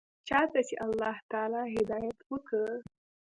چا ته چې الله تعالى هدايت وکا.